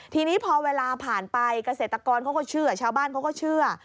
ทีนี้พอเวลาผ่านไปเกษตรกรเขาก็เชื่อชาวบ้านเขาก็เชื่อ